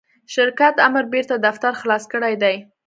شرکت آمر بیرته دفتر خلاص کړی دی.